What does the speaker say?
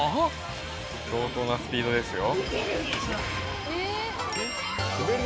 相当なスピードですよ。